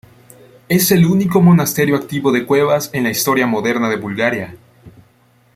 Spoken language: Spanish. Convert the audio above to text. Es el único monasterio activo de cuevas en la historia moderna de Bulgaria.